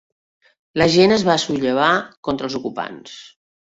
La gent es va sollevar contra els ocupants.